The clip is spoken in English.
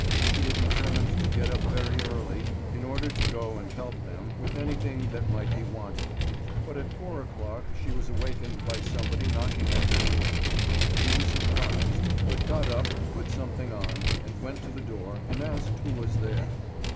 She had determined to get up very early in order to go and help them with anything that might be wanted; but at four o'clock she was awakened by somebody knocking at their door. She was surprised, but got up, put something on, and went to the door, and asked who was there.